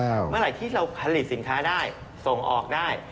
เมื่อไหร่ที่เราผลิตสินค้าได้ส่งออกได้